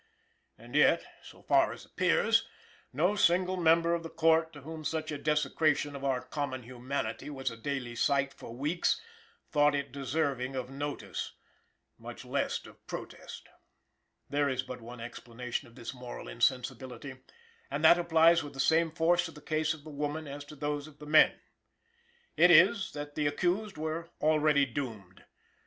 And yet, so far as appears, no single member of the Court, to whom such a desecration of our common humanity was a daily sight for weeks, thought it deserving of notice, much less of protest. There is but one explanation of this moral insensibility, and that applies with the same force to the case of the woman as to those of the men. It is, that the accused were already doomed.